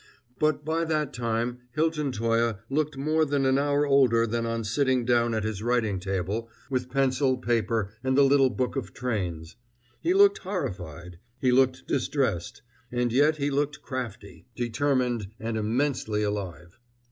But by that time Hilton Toye looked more than an hour older than on sitting down at his writing table with pencil, paper and the little book of trains; he looked horrified, he looked distressed, and yet he looked crafty, determined and immensely alive.